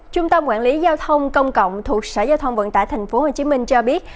trung tâm quản lý giao thông công cộng thuộc sở giao thông vận tải tp hcm cho biết